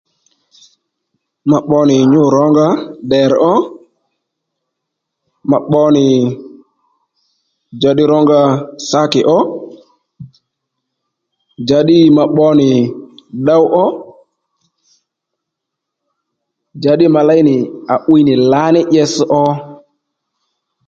Ma pbo nì nyû rónga ddèrr ó ma pbo nì njàddí rónga sákì ó njǎddî ma pbo nì ddow ó njǎddǐ ma léy nì à 'wiy lǎní itsś ó